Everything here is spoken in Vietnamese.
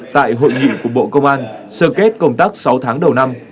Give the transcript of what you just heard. tại hội nghị của bộ công an sơ kết công tác sáu tháng đầu năm